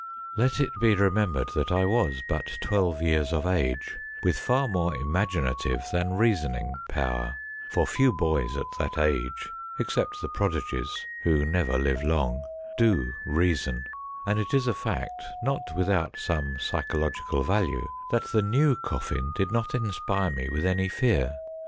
Let it be remem bered that I was but twelve years of age, with far more im aginative than reasoning power, for few boys at that age — except the prodigies, who never live long — do reason, and it is a fact, not without some psychological value, that the new coffin did not inspire me with any fear.